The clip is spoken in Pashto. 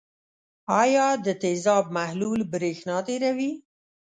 آیا د تیزاب محلول برېښنا تیروي؟